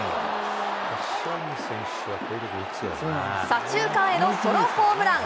左中間へのソロホームラン。